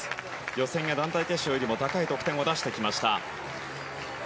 予選や団体決勝よりも高い点を出してきました。